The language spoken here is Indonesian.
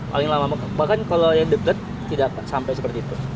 paling lama bahkan kalau yang deket tidak sampai seperti itu